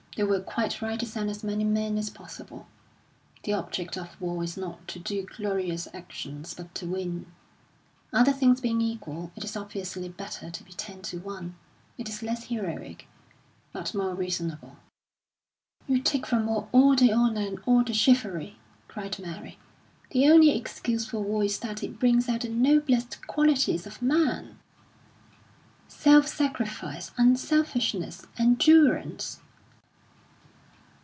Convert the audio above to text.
They were quite right to send as many men as possible. The object of war is not to do glorious actions, but to win. Other things being equal, it is obviously better to be ten to one; it is less heroic, but more reasonable." "You take from war all the honour and all the chivalry!" cried Mary. "The only excuse for war is that it brings out the noblest qualities of man self sacrifice, unselfishness, endurance."